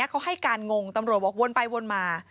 เขาให้การงงตำรวจบอกวนไปวนมา